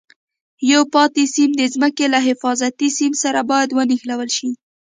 یو پاتې سیم د ځمکې له حفاظتي سیم سره باید ونښلول شي.